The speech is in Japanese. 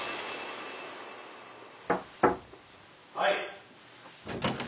はい。